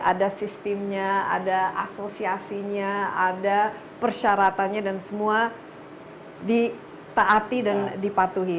ada sistemnya ada asosiasinya ada persyaratannya dan semua ditaati dan dipatuhi